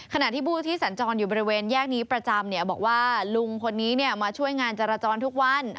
ขณะที่ผู้ที่สัญจรอยู่บริเวณแยกนี้ประจำบอกว่าลุงคนนี้มาช่วยงานจราจรทุกวัน